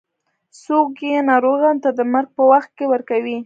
څوک یې ناروغانو ته د مرګ په وخت کې ورکوي.